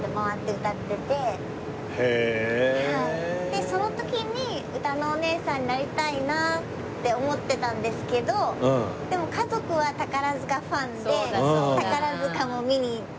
でその時にうたのおねえさんになりたいなって思ってたんですけどでも家族は宝塚ファンで宝塚も見に行ってて。